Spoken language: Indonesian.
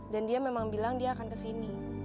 dia memang bilang dia akan kesini